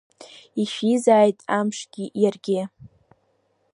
Ишәизааит амшгьы, иаргьы!